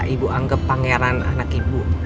ibu anggap pangeran anak ibu